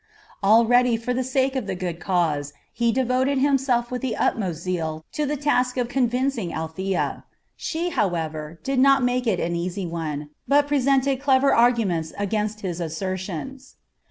Already, for the sake of the good cause, he devoted himself with the utmost zeal to the task of convincing Althea; she, however, did not make it an easy one, but presented clever arguments against his assertions.